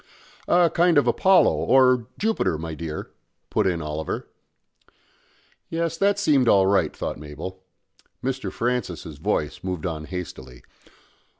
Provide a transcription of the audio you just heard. "A kind of Apollo or Jupiter, my dear," put in Oliver. Yes that seemed all right, thought Mabel. Mr. Francis's voice moved on hastily.